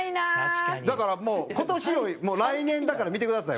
蛍原：だから、もう今年より、もう来年だから見てください。